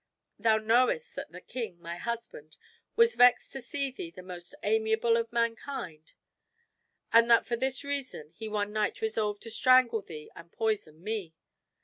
Thou knowest that the king, my husband, was vexed to see thee the most amiable of mankind; and that for this reason he one night resolved to strangle thee and poison me.